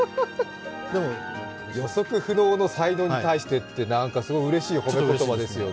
予測不能の才能に対してってうれしい褒め言葉ですよね。